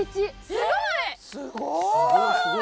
すごい！